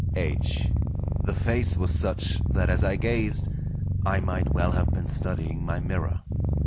H." The face was such that as I gazed, I might well have been studying my mirror.